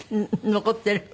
残ってる？